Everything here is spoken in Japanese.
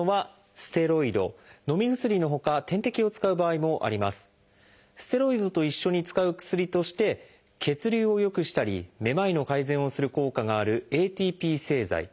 ステロイドと一緒に使う薬として血流を良くしたりめまいの改善をする効果があるＡＴＰ製剤。